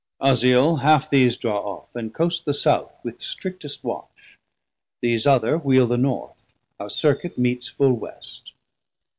Uzziel, half these draw off, and coast the South With strictest watch; these other wheel the North, Our circuit meets full West.